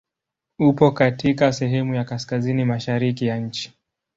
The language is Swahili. Upo katika sehemu ya kaskazini mashariki ya nchi.